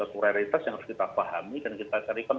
sukuritas yang harus kita pahami dan kita carikan